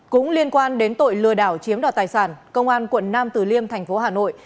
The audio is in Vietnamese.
cũng liên quan đến tội lừa đảo chiếm đoạt tài sản công an quận nam tử liêm tp hà nội